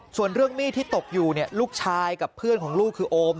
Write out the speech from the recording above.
ส่วนเรื่องมีดที่ตกอยู่เนี่ยลูกชายกับเพื่อนของลูกคือโอม